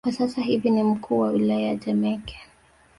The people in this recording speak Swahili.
kwa sasa hivi ni mkuu wa wilaya ya Temeke